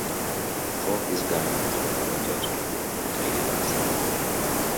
Some of these guns were donated to the Italians.